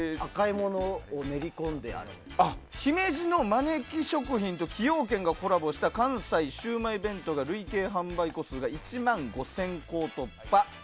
姫路の、まねき食品と崎陽軒がコラボした関西シウマイ弁当が累計販売個数が１万５０００個を突破。